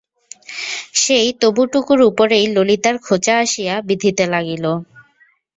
সেই তবুটুকুর উপরেই ললিতার খোঁচা আসিয়া বিঁধিতে লাগিল।